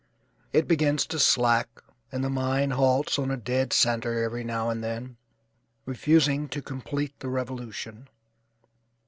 It begins to slack and the mind halts on a dead centre every now and then, refusing to complete the revolution.